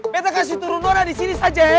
betta kasih turun nona di sini saja eh